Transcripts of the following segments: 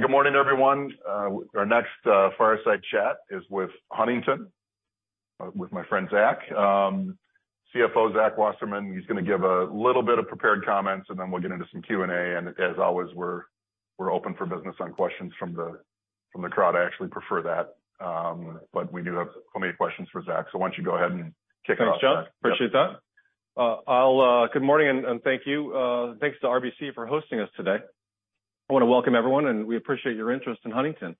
Good morning, everyone. Our next fireside chat is with Huntington, with my friend Zach. CFO Zach Wasserman, he's gonna give a little bit of prepared comments, and then we'll get into some Q&A. As always, we're open for business on questions from the crowd. I actually prefer that. We do have so many questions for Zach. Why don't you go ahead and kick off, Zach? Thanks, John. Appreciate that. Good morning, and thank you. Thanks to RBC for hosting us today. I wanna welcome everyone, and we appreciate your interest in Huntington.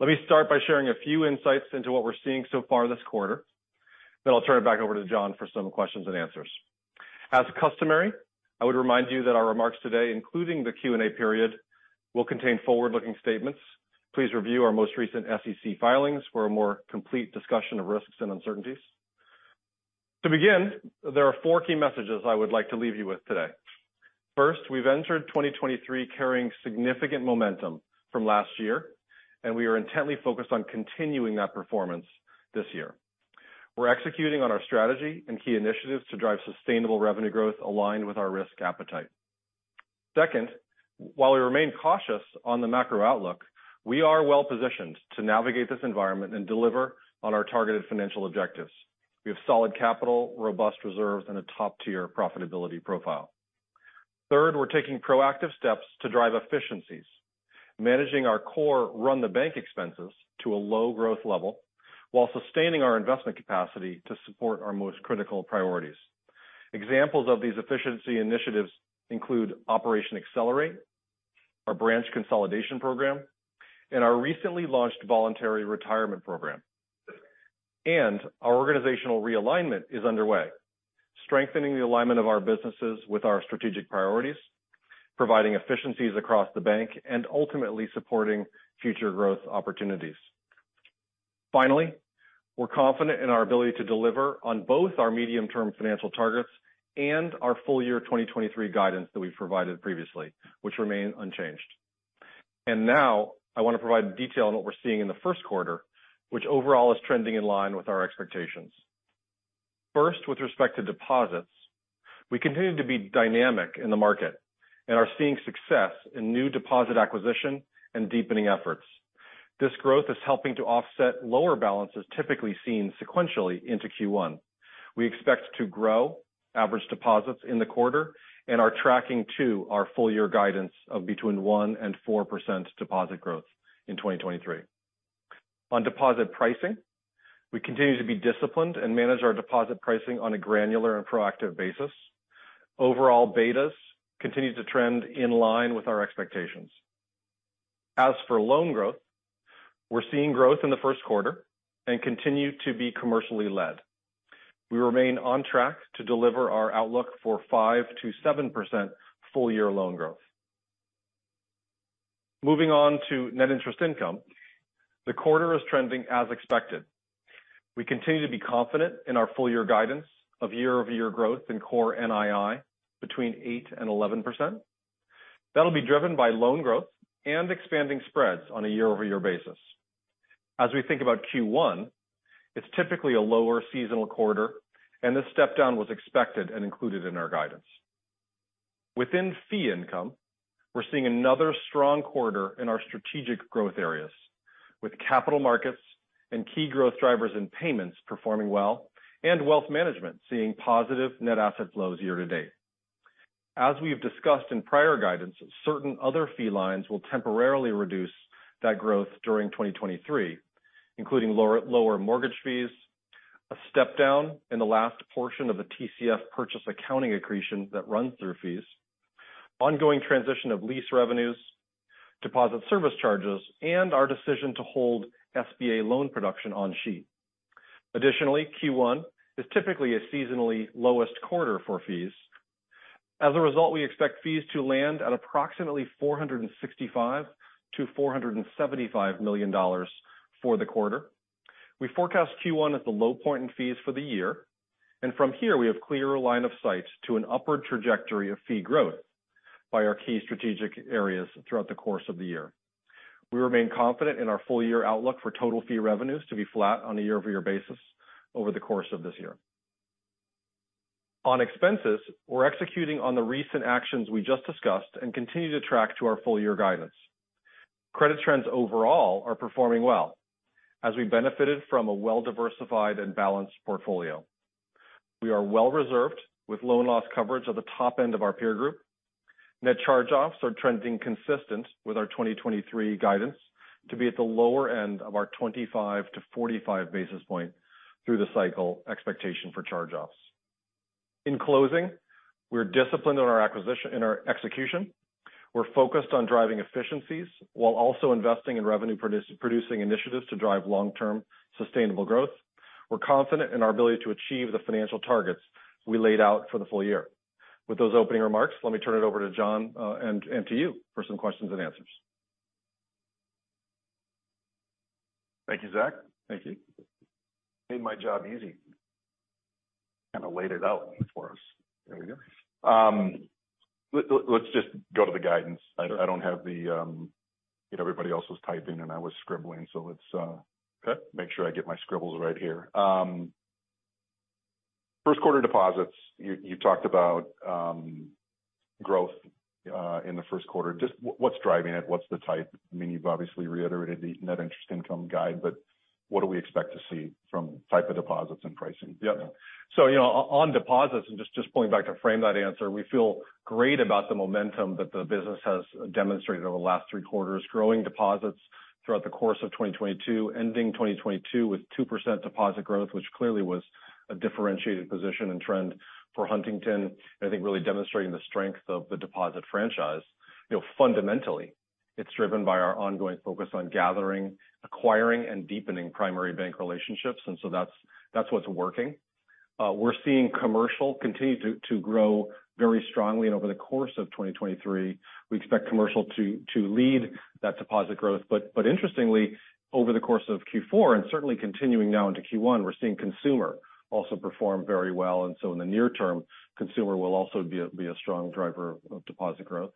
Let me start by sharing a few insights into what we're seeing so far this quarter, then I'll turn it back over to John for some questions and answers. As customary, I would remind you that our remarks today, including the Q&A period, will contain forward-looking statements. Please review our most recent SEC filings for a more complete discussion of risks and uncertainties. To begin, there are four key messages I would like to leave you with today. First, we've entered 2023 carrying significant momentum from last year, and we are intently focused on continuing that performance this year. We're executing on our strategy and key initiatives to drive sustainable revenue growth aligned with our risk appetite. Second, while we remain cautious on the macro outlook, we are well-positioned to navigate this environment and deliver on our targeted financial objectives. We have solid capital, robust reserves, and a top-tier profitability profile. Third, we're taking proactive steps to drive efficiencies, managing our core run-the-bank expenses to a low growth level while sustaining our investment capacity to support our most critical priorities. Examples of these efficiency initiatives include Operation Accelerate, our branch consolidation program, and our recently launched voluntary retirement program. Our organizational realignment is underway, strengthening the alignment of our businesses with our strategic priorities, providing efficiencies across the bank, and ultimately supporting future growth opportunities. Finally, we're confident in our ability to deliver on both our medium-term financial targets and our full year 2023 guidance that we've provided previously, which remain unchanged. Now I want to provide detail on what we're seeing in the first quarter, which overall is trending in line with our expectations. First, with respect to deposits, we continue to be dynamic in the market and are seeing success in new deposit acquisition and deepening efforts. This growth is helping to offset lower balances typically seen sequentially into Q1. We expect to grow average deposits in the quarter and are tracking to our full year guidance of between 1% and 4% deposit growth in 2023. On deposit pricing, we continue to be disciplined and manage our deposit pricing on a granular and proactive basis. Overall betas continue to trend in line with our expectations. As for loan growth, we're seeing growth in the first quarter and continue to be commercially led. We remain on track to deliver our outlook for 5%-7% full year loan growth. Moving on to net interest income. The quarter is trending as expected. We continue to be confident in our full year guidance of year-over-year growth in core NII between 8% and 11%. That'll be driven by loan growth and expanding spreads on a year-over-year basis. As we think about Q1, it's typically a lower seasonal quarter, and this step down was expected and included in our guidance. Within fee income, we're seeing another strong quarter in our strategic growth areas, with capital markets and key growth drivers in payments performing well and wealth management seeing positive net asset flows year-to-date. As we have discussed in prior guidance, certain other fee lines will temporarily reduce that growth during 2023, including lower mortgage fees, a step down in the last portion of the TCF purchase accounting accretion that runs through fees, ongoing transition of lease revenues, deposit service charges, and our decision to hold SBA loan production on sheet. Additionally, Q1 is typically a seasonally lowest quarter for fees. As a result, we expect fees to land at approximately $465 million-$475 million for the quarter. We forecast Q1 at the low point in fees for the year. From here we have clearer line of sight to an upward trajectory of fee growth by our key strategic areas throughout the course of the year. We remain confident in our full-year outlook for total fee revenues to be flat on a year-over-year basis over the course of this year. On expenses, we're executing on the recent actions we just discussed and continue to track to our full-year guidance. Credit trends overall are performing well as we benefited from a well-diversified and balanced portfolio. We are well reserved with loan loss coverage at the top end of our peer group. Net charge-offs are trending consistent with our 2023 guidance to be at the lower end of our 25-45 basis point through the cycle expectation for charge-offs. In closing, we're disciplined in our execution. We're focused on driving efficiencies while also investing in revenue producing initiatives to drive long-term sustainable growth. We're confident in our ability to achieve the financial targets we laid out for the full year. With those opening remarks, let me turn it over to John, and to you for some questions and answers. Thank you, Zach. Thank you. Made my job easy. Kinda laid it out for us. There we go. Let's just go to the guidance. I don't have the. You know, everybody else was typing, and I was scribbling. Let's make sure I get my scribbles right here. First quarter deposits, you talked about growth in the first quarter. Just what's driving it? What's the type? I mean, you've obviously reiterated the net interest income guide, what do we expect to see from type of deposits and pricing? Yeah. You know, on deposits, and just pulling back to frame that answer, we feel great about the momentum that the business has demonstrated over the last three quarters, growing deposits throughout the course of 2022, ending 2022 with 2% deposit growth, which clearly was a differentiated position and trend for Huntington, I think really demonstrating the strength of the deposit franchise. You know, fundamentally, it's driven by our ongoing focus on gathering, acquiring, and deepening primary bank relationships, that's what's working. We're seeing commercial continue to grow very strongly. Over the course of 2023, we expect commercial to lead that deposit growth. Interestingly, over the course of Q4 and certainly continuing now into Q1, we're seeing consumer also perform very well. In the near term, consumer will also be a strong driver of deposit growth.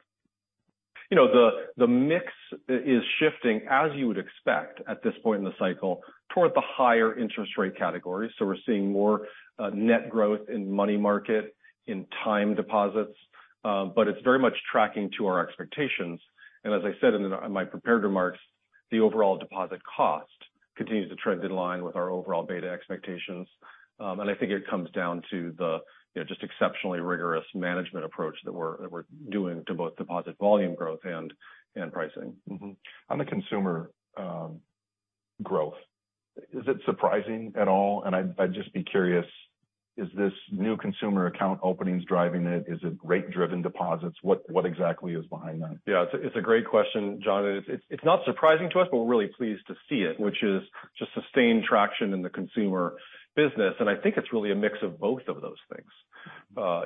You know, the mix is shifting, as you would expect at this point in the cycle, toward the higher interest rate category. We're seeing more net growth in money market, in time deposits, but it's very much tracking to our expectations. As I said in my prepared remarks, the overall deposit cost continues to trend in line with our overall beta expectations. I think it comes down to the, you know, just exceptionally rigorous management approach that we're doing to both deposit volume growth and pricing. On the consumer, growth, is it surprising at all? I'd just be curious, is this new consumer account openings driving it? Is it rate-driven deposits? What exactly is behind that? Yeah. It's a great question, John. It's not surprising to us, but we're really pleased to see it, which is just sustained traction in the consumer business. I think it's really a mix of both of those things.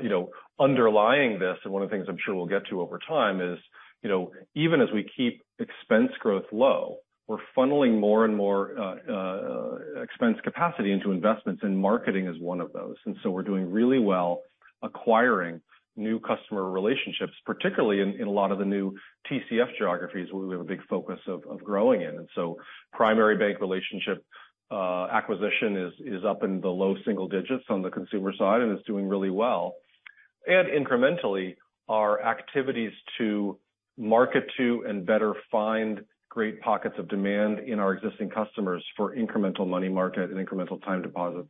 You know, underlying this, one of the things I'm sure we'll get to over time is, you know, even as we keep expense growth low, we're funneling more and more expense capacity into investments, marketing is one of those. We're doing really well acquiring new customer relationships, particularly in a lot of the new TCF geographies where we have a big focus of growing in. Primary bank relationship acquisition is up in the low single digits on the consumer side, it's doing really well. Incrementally, our activities to market to and better find great pockets of demand in our existing customers for incremental money market and incremental time deposits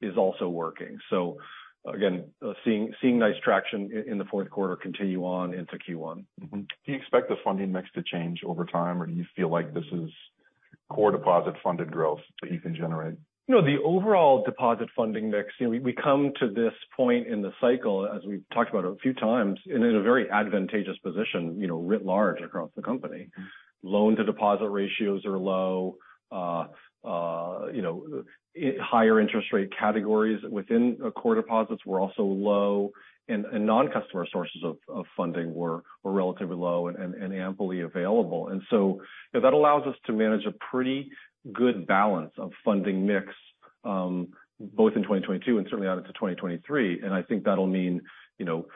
is also working. Again, seeing nice traction in the fourth quarter continue on into Q1. Do you expect the funding mix to change over time, or do you feel like this is core deposit-funded growth that you can generate? You know, the overall deposit funding mix, you know, we come to this point in the cycle as we've talked about a few times, in a very advantageous position, you know, writ large across the company. Loan-to-deposit ratios are low. You know, higher interest rate categories within core deposits were also low and non-customer sources of funding were relatively low and amply available. You know, that allows us to manage a pretty good balance of funding mix, both in 2022 and certainly out into 2023. I think that'll mean, you know,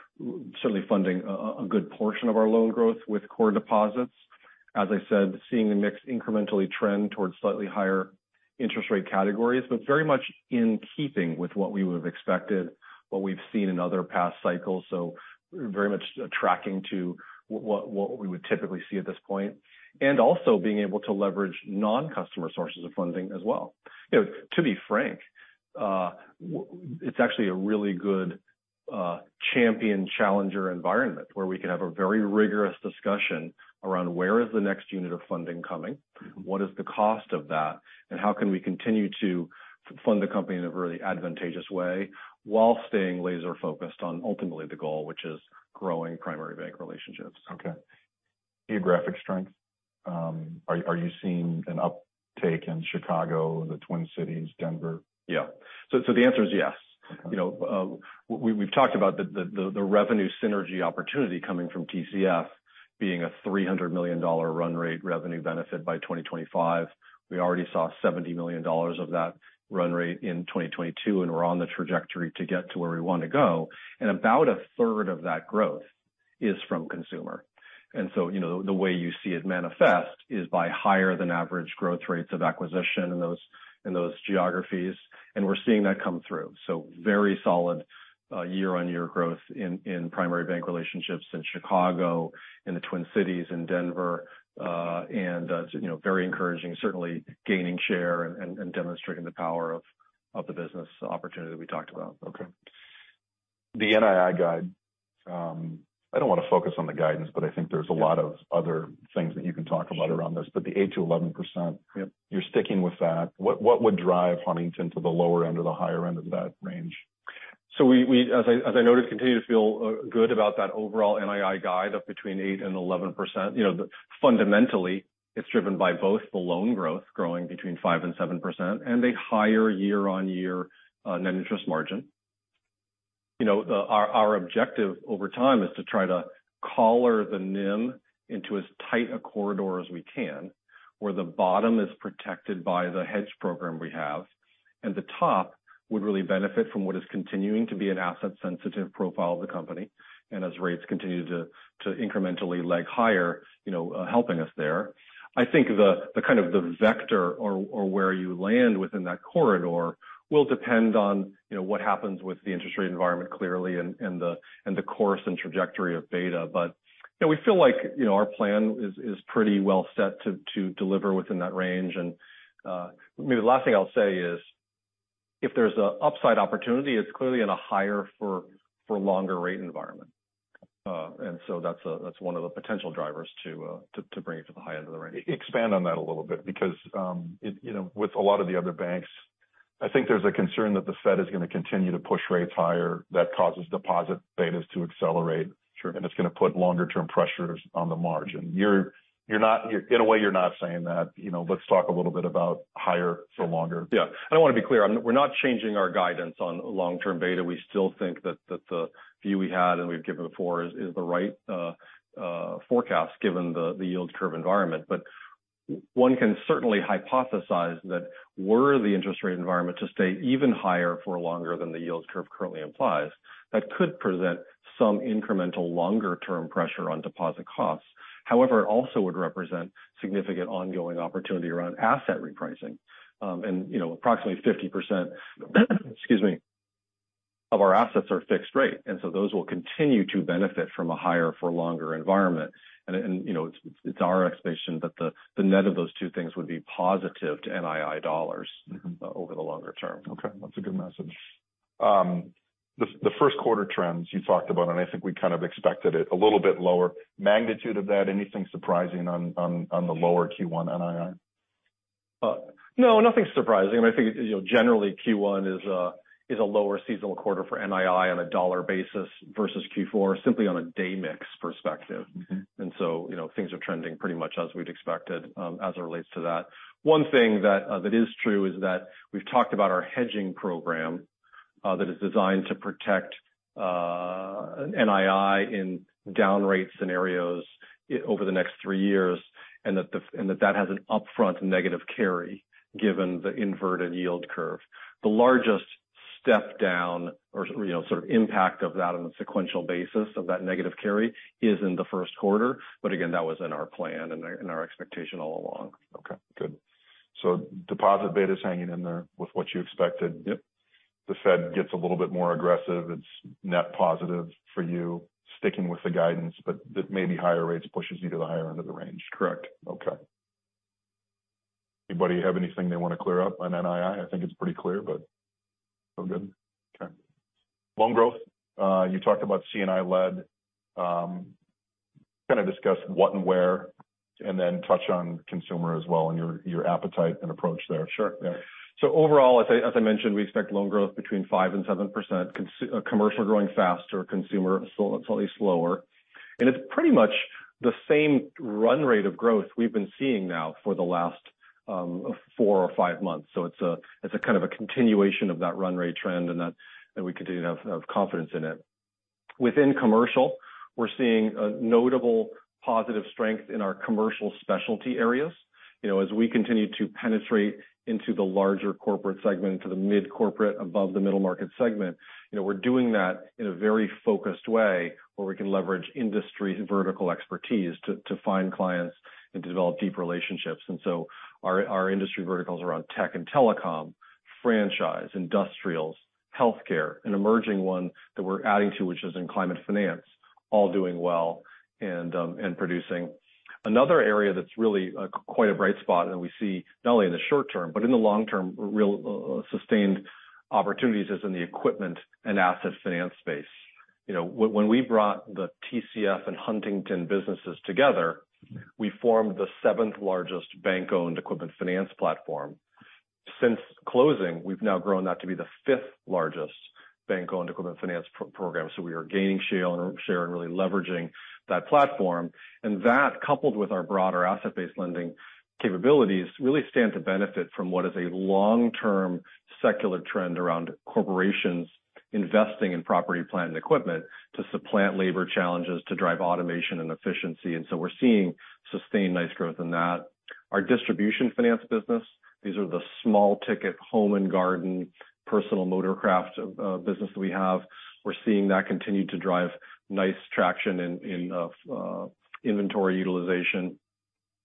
certainly funding a good portion of our loan growth with core deposits. As I said, seeing the mix incrementally trend towards slightly higher interest rate categories, but very much in keeping with what we would have expected, what we've seen in other past cycles. Very much tracking to what we would typically see at this point, and also being able to leverage non-customer sources of funding as well. You know, to be frank, it's actually a really good champion challenger environment where we can have a very rigorous discussion around where is the next unit of funding coming, what is the cost of that, and how can we continue to fund the company in a really advantageous way while staying laser-focused on ultimately the goal, which is growing primary bank relationships. Okay. Geographic strength, are you seeing an uptake in Chicago, the Twin Cities, Denver? Yeah. The answer is yes. Okay. You know, we've talked about the revenue synergy opportunity coming from TCF being a $300 million run rate revenue benefit by 2025. We already saw $70 million of that run rate in 2022, and we're on the trajectory to get to where we want to go. About a third of that growth is from consumer. You know, the way you see it manifest is by higher than average growth rates of acquisition in those, in those geographies, and we're seeing that come through. Very solid year-on-year growth in primary bank relationships in Chicago, in the Twin Cities, in Denver, and, you know, very encouraging, certainly gaining share and demonstrating the power of the business opportunity we talked about. Okay. The NII guide, I don't want to focus on the guidance, but I think there's a lot of other things that you can talk about around this. The 8%-11%. You're sticking with that. What would drive Huntington to the lower end or the higher end of that range? We, as I noted, continue to feel good about that overall NII guide of between 8% and 11%. You know, fundamentally, it's driven by both the loan growth growing between 5% and 7% and a higher year-on-year net interest margin. You know, our objective over time is to try to collar the NIM into as tight a corridor as we can, where the bottom is protected by the hedge program we have. The top would really benefit from what is continuing to be an asset-sensitive profile of the company, and as rates continue to incrementally leg higher, you know, helping us there. I think the kind of the vector or where you land within that corridor will depend on, you know, what happens with the interest rate environment, clearly, and the course and trajectory of beta. You know, we feel like, you know, our plan is pretty well set to deliver within that range. Maybe the last thing I'll say is if there's a upside opportunity, it's clearly in a higher for longer rate environment. That's one of the potential drivers to bring it to the high end of the range. Expand on that a little bit because, you know, with a lot of the other banks, I think there's a concern that the Fed is gonna continue to push rates higher that causes deposit betas to accelerate. Sure. It's going to put longer term pressures on the margin. You're not. In a way, you're not saying that. You know, let's talk a little bit about higher for longer. Yeah. I wanna be clear, we're not changing our guidance on long-term beta. We still think that the view we had and we've given before is the right forecast given the yield curve environment. One can certainly hypothesize that were the interest rate environment to stay even higher for longer than the yield curve currently implies, that could present some incremental longer term pressure on deposit costs. However, it also would represent significant ongoing opportunity around asset repricing. you know, approximately 50%, excuse me, of our assets are fixed rate, and so those will continue to benefit from a higher for longer environment. you know, it's our expectation that the net of those two things would be positive to NII dollars. Mm-hmm. over the longer term. Okay. That's a good message. The first quarter trends you talked about, and I think we kind of expected it a little bit lower magnitude of that. Anything surprising on the lower Q1 NII? No, nothing surprising. I think, you know, generally Q1 is a lower seasonal quarter for NII on a dollar basis versus Q4, simply on a day mix perspective. Mm-hmm. You know, things are trending pretty much as we'd expected, as it relates to that. One thing that is true is that we've talked about our hedging program that is designed to protect NII in down rate scenarios over the next three years, and that that has an upfront negative carry given the inverted yield curve. The largest step down or, you know, sort of impact of that on a sequential basis of that negative carry is in the first quarter, but again, that was in our plan and in our expectation all along. Okay. Good. Deposit beta's hanging in there with what you expected. Yep. The Fed gets a little bit more aggressive. It's net positive for you sticking with the guidance, but that maybe higher rates pushes you to the higher end of the range. Correct. Okay. Anybody have anything they wanna clear up on NII? I think it's pretty clear, but... All good? Okay. Loan growth. You talked about C&I led. kind of discuss what and where, and then touch on consumer as well and your appetite and approach there. Sure. Yeah. Overall, as I mentioned, we expect loan growth between 5% and 7%. Commercial growing faster, consumer slightly slower. It's pretty much the same run rate of growth we've been seeing now for the last four or five months. It's a kind of a continuation of that run rate trend and we continue to have confidence in it. Within commercial, we're seeing a notable positive strength in our commercial specialty areas. You know, as we continue to penetrate into the larger corporate segment, into the mid corporate, above the middle market segment, you know, we're doing that in a very focused way where we can leverage industry vertical expertise to find clients and to develop deep relationships. Our industry verticals around tech and telecom, franchise, industrials, healthcare, an emerging one that we're adding to, which is in climate finance, all doing well and producing. Another area that's really quite a bright spot, and we see not only in the short term, but in the long term, real sustained opportunities is in the equipment and asset finance space. You know, when we brought the TCF and Huntington businesses together, we formed the seventh largest bank-owned equipment finance platform. Since closing, we've now grown that to be the fifth largest bank-owned equipment finance program. We are gaining share and really leveraging that platform. That, coupled with our broader asset-based lending capabilities, really stand to benefit from what is a long-term secular trend around corporations investing in property, plant, and equipment to supplant labor challenges to drive automation and efficiency. We're seeing sustained nice growth in that. Our distribution finance business, these are the small ticket home and garden, personal motor craft business that we have. We're seeing that continue to drive nice traction in inventory utilization.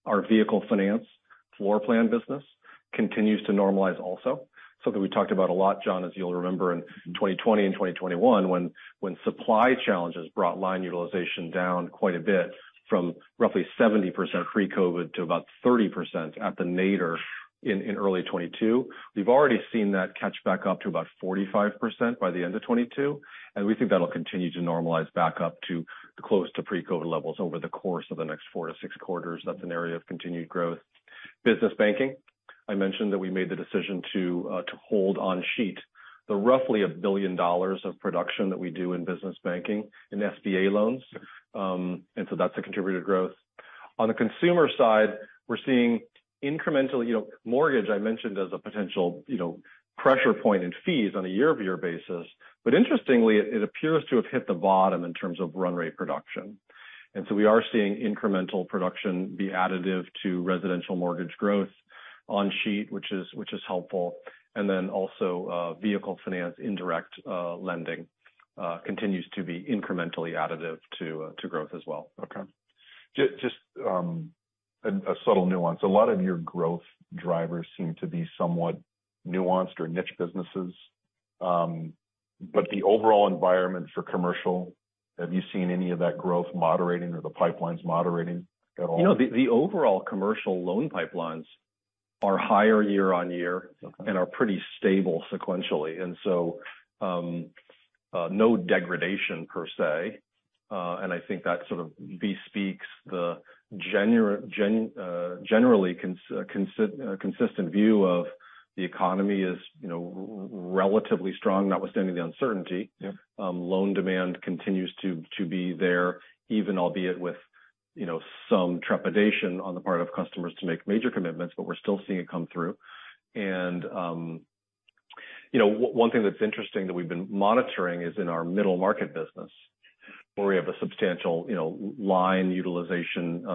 Our vehicle finance floor plan business continues to normalize also. Something we talked about a lot, John, as you'll remember in 2020 and 2021 when supply challenges brought line utilization down quite a bit from roughly 70% pre-COVID to about 30% at the nadir in early 2022. We've already seen that catch back up to about 45% by the end of 2022, and we think that'll continue to normalize back up to close to pre-COVID levels over the course of the next 4-6 quarters. That's an area of continued growth. Business banking. I mentioned that we made the decision to hold on sheet the roughly $1 billion of production that we do in business banking in SBA loans. That's a contributor to growth. On the consumer side, we're seeing incremental, you know, mortgage I mentioned as a potential, you know, pressure point in fees on a year-over-year basis. Interestingly, it appears to have hit the bottom in terms of run rate production. We are seeing incremental production be additive to residential mortgage growth on sheet, which is helpful. Also, vehicle finance indirect lending continues to be incrementally additive to growth as well. Okay. Just a subtle nuance. A lot of your growth drivers seem to be somewhat nuanced or niche businesses, but the overall environment for commercial, have you seen any of that growth moderating or the pipelines moderating at all? You know, the overall commercial loan pipelines are higher year-over-year. Okay... and are pretty stable sequentially. No degradation per se. I think that sort of bespeaks the generally consistent view of the economy is, you know, relatively strong, notwithstanding the uncertainty. Yeah. Loan demand continues to be there even albeit with, you know, some trepidation on the part of customers to make major commitments, but we're still seeing it come through. You know, one thing that's interesting that we've been monitoring is in our middle market business, where we have a substantial, you know, line utilization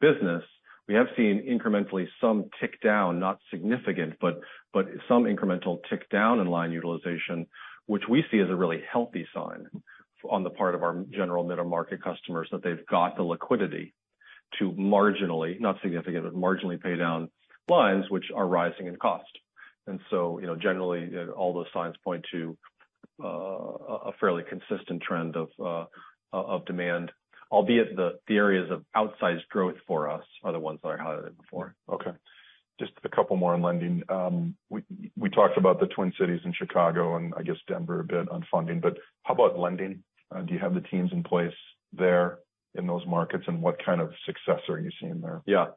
business. We have seen incrementally some tick down, not significant, but some incremental tick down in line utilization, which we see as a really healthy sign on the part of our general middle market customers, that they've got the liquidity to marginally, not significantly, marginally pay down lines which are rising in cost. You know, generally, all those signs point to a fairly consistent trend of demand, albeit the areas of outsized growth for us are the ones that I highlighted before. Okay. Just a couple more on lending. We talked about the Twin Cities and Chicago and I guess Denver a bit on funding. How about lending? Do you have the teams in place there in those markets, and what kind of success are you seeing there? Yeah.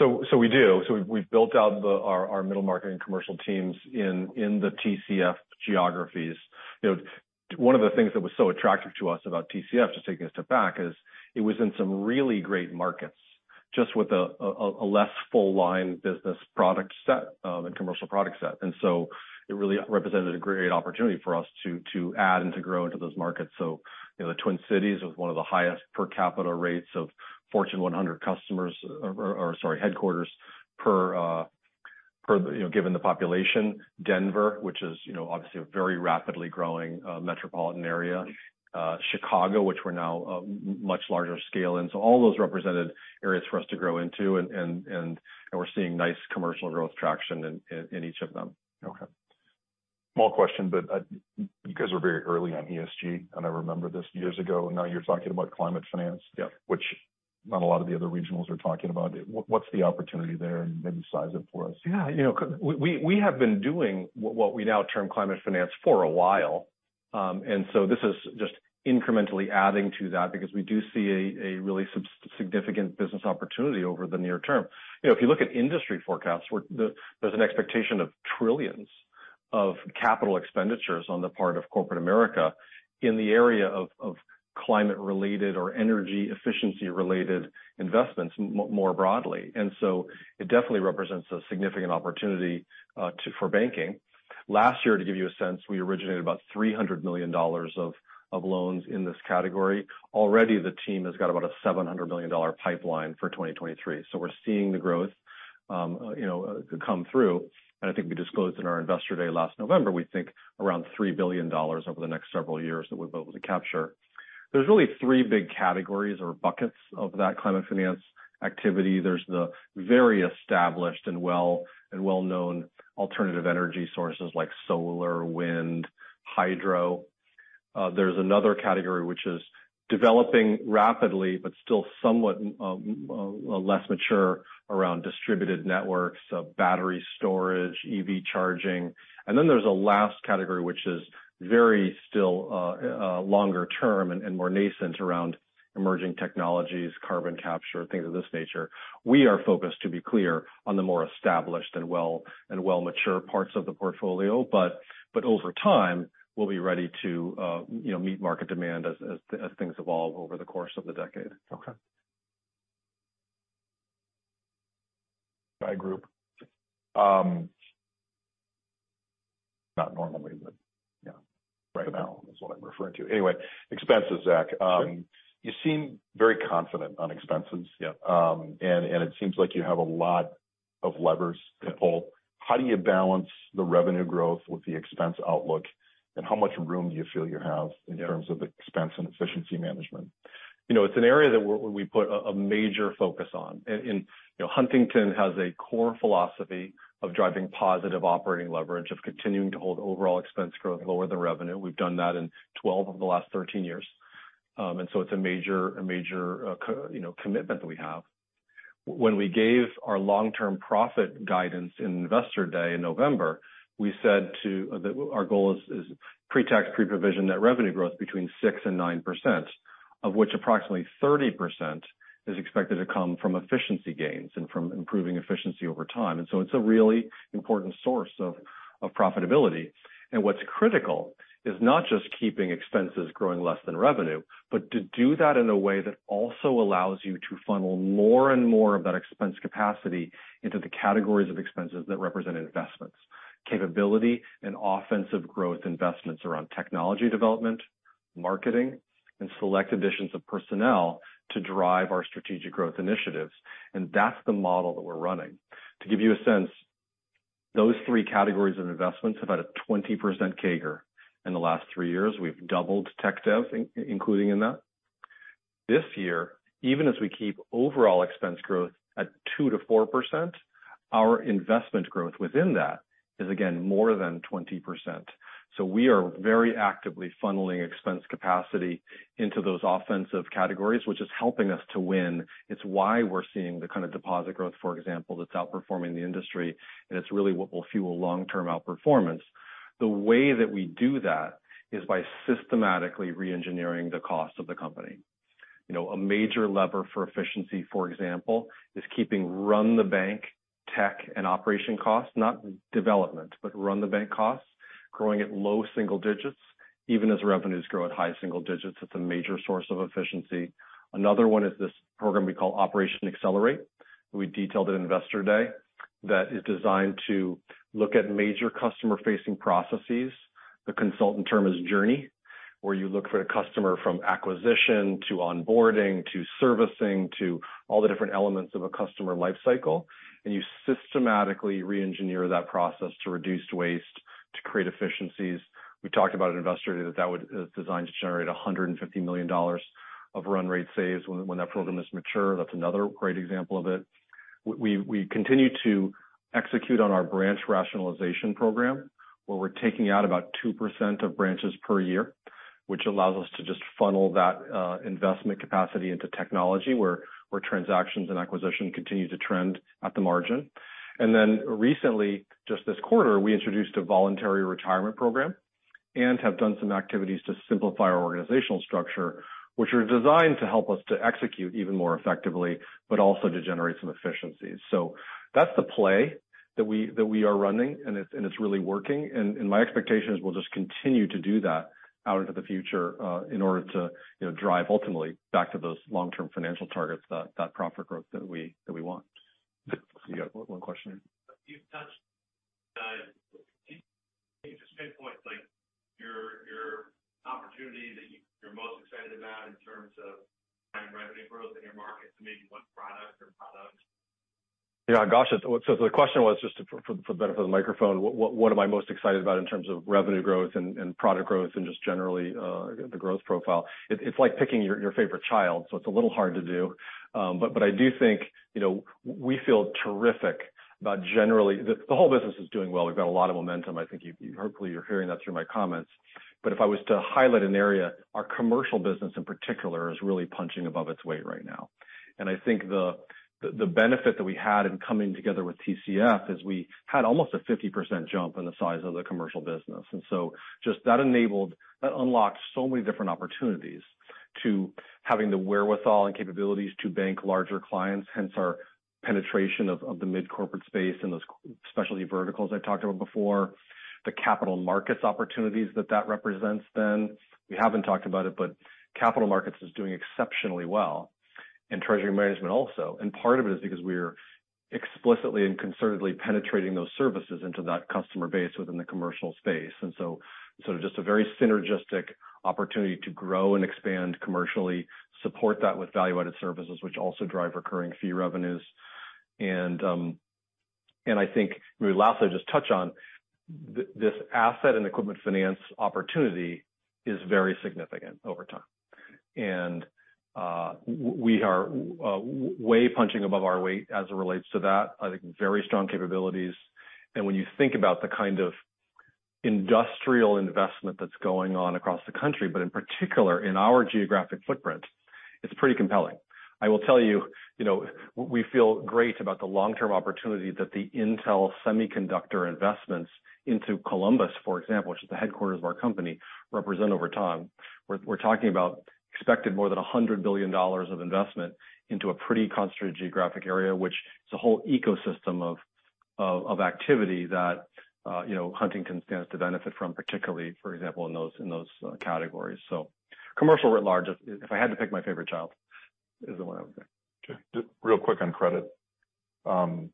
We do. We've built out our middle market and commercial teams in the TCF geographies. You know, one of the things that was so attractive to us about TCF, just taking a step back, is it was in some really great markets, just with a less full line business product set and commercial product set. It really represented a great opportunity for us to add and to grow into those markets. You know, the Twin Cities was one of the highest per capita rates of Fortune 100 customers or sorry, headquarters per, you know, given the population. Denver, which is, you know, obviously a very rapidly growing metropolitan area. Chicago, which we're now much larger scale. All those represented areas for us to grow into and we're seeing nice commercial growth traction in each of them. Okay. Small question, but you guys were very early on ESG, and I remember this years ago, now you're talking about climate finance. Yeah... which not a lot of the other regionals are talking about. What's the opportunity there? Maybe size it for us. Yeah. You know, we have been doing what we now term climate finance for a while, this is just incrementally adding to that because we do see a really significant business opportunity over the near term. You know, if you look at industry forecasts, where there's an expectation of trillions of capital expenditures on the part of corporate America in the area of climate-related or energy efficiency-related investments more broadly. It definitely represents a significant opportunity for banking. Last year, to give you a sense, we originated about $300 million of loans in this category. Already the team has got about a $700 million pipeline for 2023. We're seeing the growth, you know, come through. I think we disclosed in our Investor Day last November, we think around $3 billion over the next several years that we'll be able to capture. There's really three big categories or buckets of that climate finance activity. There's the very established and well-known alternative energy sources like solar, wind, hydro. There's another category which is developing rapidly but still somewhat less mature around distributed networks, battery storage, EV charging. Then there's a last category, which is very still longer term and more nascent around emerging technologies, carbon capture, things of this nature. We are focused, to be clear, on the more established and well mature parts of the portfolio, but over time, we'll be ready to, you know, meet market demand as things evolve over the course of the decade. Okay. By group. not normally, but yeah, right now is what I'm referring to. Anyway, expenses, Zach. Sure. You seem very confident on expenses. Yeah. It seems like you have a lot of levers to pull. How do you balance the revenue growth with the expense outlook? How much room do you feel you have in terms of expense and efficiency management? You know, it's an area that we put a major focus on. You know, Huntington has a core philosophy of driving positive operating leverage, of continuing to hold overall expense growth lower than revenue. We've done that in 12 of the last 13 years. It's a major, you know, commitment that we have. When we gave our long-term profit guidance in Investor Day in November, we said that our goal is pre-tax, pre-provision net revenue growth between 6% and 9%, of which approximately 30% is expected to come from efficiency gains and from improving efficiency over time. It's a really important source of profitability. What's critical is not just keeping expenses growing less than revenue, but to do that in a way that also allows you to funnel more and more of that expense capacity into the categories of expenses that represent investments. Capability and offensive growth investments around technology development, marketing, and select additions of personnel to drive our strategic growth initiatives. That's the model that we're running. To give you a sense, those three categories of investments have had a 20% CAGR in the last three years. We've doubled tech dev, including in that. This year, even as we keep overall expense growth at 2%-4%, our investment growth within that is again more than 20%. We are very actively funneling expense capacity into those offensive categories, which is helping us to win. It's why we're seeing the kind of deposit growth, for example, that's outperforming the industry, and it's really what will fuel long-term out-performance. The way that we do that is by systematically re-engineering the cost of the company. You know, a major lever for efficiency, for example, is keeping run the bank tech and operation costs, not development, but run the bank costs, growing at low single digits even as revenues grow at high single-digits. It's a major source of efficiency. Another one is this program we call Operation Accelerate, that we detailed at Investor Day, that is designed to look at major customer-facing processes. The consultant term is journey, where you look for the customer from acquisition to onboarding to servicing to all the different elements of a customer life cycle, and you systematically re-engineer that process to reduce waste, to create efficiencies. We talked about at Investor Day that is designed to generate $150 million of run rate saves when that program is mature. That's another great example of it. We continue to execute on our branch rationalization program, where we're taking out about 2% of branches per year, which allows us to just funnel that investment capacity into technology where transactions and acquisition continue to trend at the margin. Recently, just this quarter, we introduced a voluntary retirement program and have done some activities to simplify our organizational structure, which are designed to help us to execute even more effectively, but also to generate some efficiencies. That's the play that we are running, and it's, and it's really working. My expectation is we'll just continue to do that out into the future, in order to, you know, drive ultimately back to those long-term financial targets that profit growth that we want. You got one question there. You've touched, can you just pinpoint, like, your opportunity that you're most excited about in terms of kind of revenue growth in your markets and maybe what product or products? Gosh, so the question was, just for the benefit of the microphone, what am I most excited about in terms of revenue growth and product growth and just generally, the growth profile. It's like picking your favorite child, so it's a little hard to do. I do think, you know, we feel terrific about generally, the whole business is doing well. We've got a lot of momentum. I think hopefully you're hearing that through my comments. If I was to highlight an area, our commercial business in particular is really punching above its weight right now. I think the benefit that we had in coming together with TCF is we had almost a 50% jump in the size of the commercial business. Just that enabled that unlocked so many different opportunities to having the wherewithal and capabilities to bank larger clients, hence our penetration of the mid-corporate space and those specialty verticals I talked about before. The capital markets opportunities that that represents then. We haven't talked about it, but capital markets is doing exceptionally well, and treasury management also. Part of it is because we're explicitly and concertedly penetrating those services into that customer base within the commercial space. Sort of just a very synergistic opportunity to grow and expand commercially, support that with value-added services, which also drive recurring fee revenues. I think we'll lastly just touch on this asset and equipment finance opportunity is very significant over time. We are way punching above our weight as it relates to that. I think very strong capabilities. When you think about the kind of industrial investment that's going on across the country, but in particular in our geographic footprint, it's pretty compelling. I will tell you know, we feel great about the long-term opportunity that the Intel semiconductor investments into Columbus, for example, which is the headquarters of our company, represent over time. We're talking about expected more than $100 billion of investment into a pretty concentrated geographic area, which is a whole ecosystem of activity that, you know, Huntington stands to benefit from, particularly, for example, in those categories. Commercial writ large, if I had to pick my favorite child, is the one I would say. Okay. Just real quick on credit. Sounds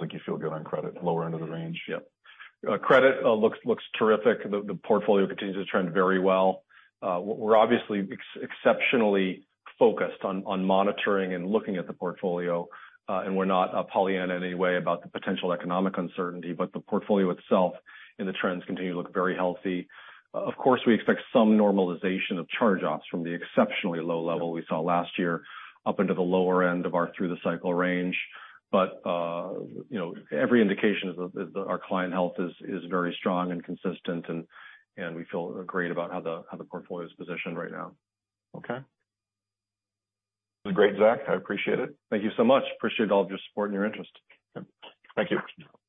like you feel good on credit, lower end of the range. Yep. Credit looks terrific. The portfolio continues to trend very well. We're obviously exceptionally focused on monitoring and looking at the portfolio, and we're not Pollyanna in any way about the potential economic uncertainty, but the portfolio itself and the trends continue to look very healthy. Of course, we expect some normalization of charge-offs from the exceptionally low level we saw last year up into the lower end of our through the cycle range. You know, every indication is that our client health is very strong and consistent and we feel great about how the portfolio is positioned right now. Okay. Great, Zach. I appreciate it. Thank you so much. Appreciate all of your support and your interest. Thank you.